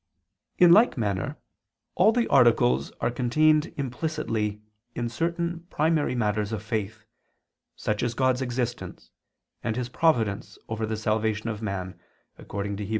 In like manner all the articles are contained implicitly in certain primary matters of faith, such as God's existence, and His providence over the salvation of man, according to Heb.